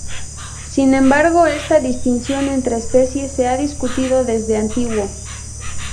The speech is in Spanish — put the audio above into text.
Sin embargo esta distinción entre especies se ha discutido desde antiguo.